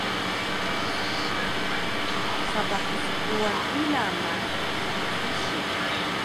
sapah pskuwan pila ma sapah ising